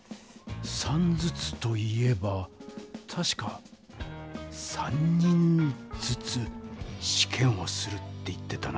３ずつと言えばたしか「３人ずつしけんをする」って言ってたな。